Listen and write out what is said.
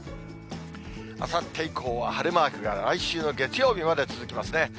あさって以降は晴れマークが来週の月曜日まで続きますね。